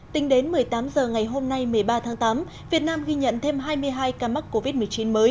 tính đến một mươi tám h ngày hôm nay một mươi ba tháng tám việt nam ghi nhận thêm hai mươi hai ca mắc covid một mươi chín mới